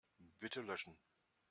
Bitte löschen.